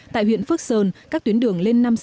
tại huyện phước sơn các tuyến đường lãnh đạo bị sạt lở